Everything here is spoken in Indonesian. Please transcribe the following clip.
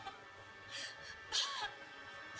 umi aku mau ke rumah